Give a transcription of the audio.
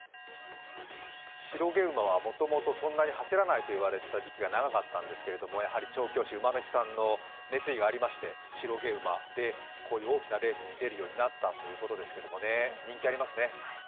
白毛馬はもともとそんなに走らないと言われていた時期が長かったんですが、やはり調教師、馬主さんの熱意がありまして、白毛馬でこういう大きなレースに出るようになったということですけど人気ありますね。